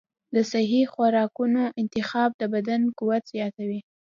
د صحي خوراکونو انتخاب د بدن قوت زیاتوي.